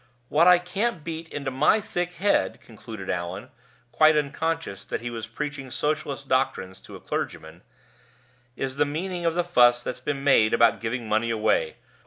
What I can't beat into my thick head," concluded Allan, quite unconscious that he was preaching socialist doctrines to a clergyman; "is the meaning of the fuss that's made about giving money away.